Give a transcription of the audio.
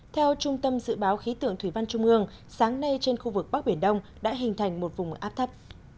theo trung tâm dự báo khí tượng thủy văn trung ương sáng nay trên khu vực bắc biển đông đã hình thành một vùng áp thấp